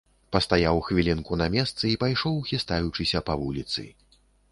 Пастаяў хвілінку на месцы і пайшоў, хістаючыся, па вуліцы.